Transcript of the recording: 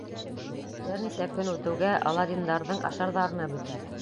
Бер нисә көн үтеүгә Аладдиндарҙың ашарҙарына бөтә.